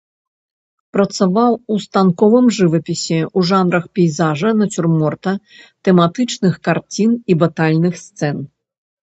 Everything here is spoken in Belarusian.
Працаваў у станковым жывапісе, у жанрах пейзажа, нацюрморта, тэматычных карцін і батальных сцэн.